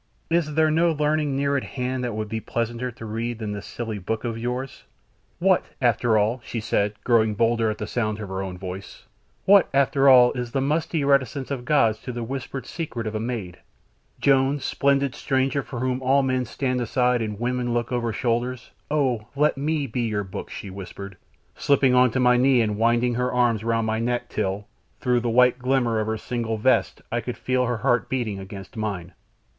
Is there no learning near at hand that would be pleasanter reading than this silly book of yours? What, after all," she said, growing bolder at the sound of her own voice, "what, after all, is the musty reticence of gods to the whispered secret of a maid? Jones, splendid stranger for whom all men stand aside and women look over shoulders, oh, let me be your book!" she whispered, slipping on to my knee and winding her arms round my neck till, through the white glimmer of her single vest, I could feel her heart beating against mine.